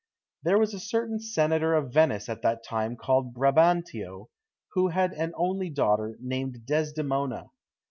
There was a certain senator of Venice at that time called Brabantio, who had an only daughter, named Desdemona.